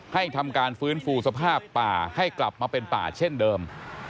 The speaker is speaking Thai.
ทำการฟื้นฟูสภาพป่าให้กลับมาเป็นป่าเช่นเดิม